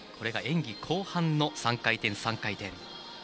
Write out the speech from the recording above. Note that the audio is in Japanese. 演技後半の３回転、３回転。